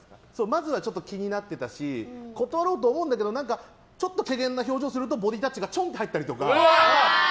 まずは気になってたし断ろうと思うんだけどちょっと怪訝な表情するとボディータッチがちょんって入ったりとか。